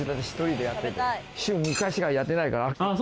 週３日しかやってないから。